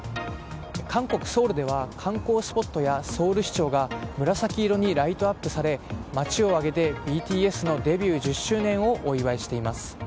韓国ソウルでは観光スポットや、ソウル市庁が紫色にライトアップされ街を挙げてＢＴＳのデビュー１０周年をお祝いしています。